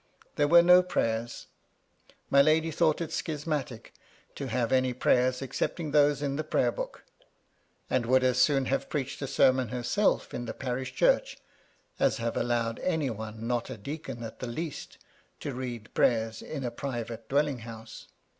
There were no prayers. My lady thought it schismatic to have any prayers excepting those in the Prayer book ; and would as soon have preached a sermon herself in the parish church, as have allowed any one not a deacon at the least to read prayers in a private dwell ing house.